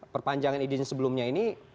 perpanjangan izin sebelumnya ini